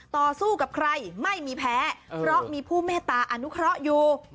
ต่อสู้กับใครไม่มีแพ้เพราะมีผู้เมตตาอนุเคราะห์อยู่